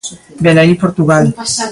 Velaí Portugal.